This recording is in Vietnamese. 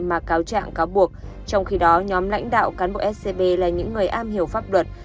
mà cáo trạng cáo buộc trong khi đó nhóm lãnh đạo cán bộ scb là những người am hiểu pháp luật